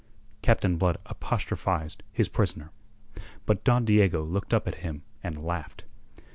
Captain Blood apostrophized his prisoner. But Don Diego looked up at him and laughed.